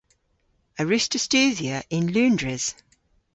A wruss'ta studhya yn Loundres?